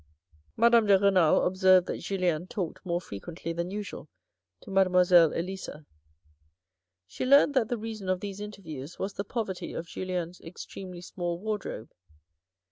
Madame de Renal observed that Julien talked more frequently than usual to Mademoiselle Elisa. She learnt that the reason of these interviews was the poverty of Julien's ex tremely small wardrobe.